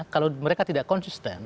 kalau mereka tidak konsisten